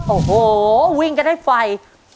โอ้โหวิ่งกันได้ไฟ